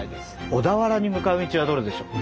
小田原に向かう道はどれでしょう？